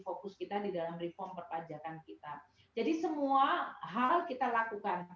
fokus kita di dalam reform perpajakan kita jadi semua hal kita lakukan